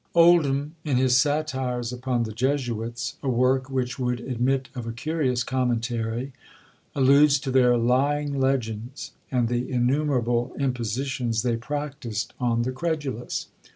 Oldham, in his "Satires upon the Jesuits," a work which would admit of a curious commentary, alludes to their "lying legends," and the innumerable impositions they practised on the credulous.